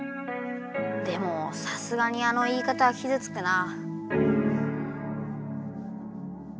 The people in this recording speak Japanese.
でもさすがにあの言い方はきずつくな。